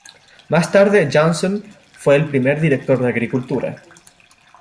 Más tarde Johnson fue el primer director de agricultura.